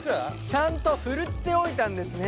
ちゃんとふるっておいたんですね。